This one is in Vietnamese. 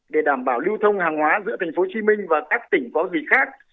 để đảm bảo lưu thông hàng hóa giữa tp hcm và các tỉnh có vị khác